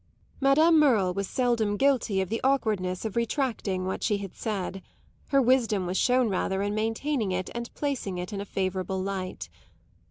Madame Merle was seldom guilty of the awkwardness of retracting what she had said; her wisdom was shown rather in maintaining it and placing it in a favourable light.